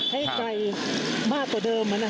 ให้ไกลมากกว่าเดิมนะครับ